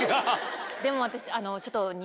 でも私。